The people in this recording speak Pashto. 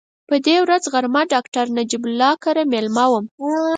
په دې ورځ غرمه ډاکټر نجیب الله کره مېلمه وم.